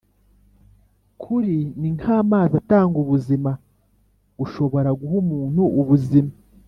Kuri ni nk amazi atanga ubuzima gushobora guha umuntu ubuzima